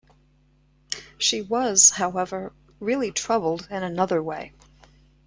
She was, however, really troubled in another way.